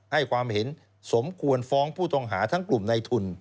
ให้ความเห็นสมควรฟ้องผู้ต้องหาทั้งกลุ่มในทุน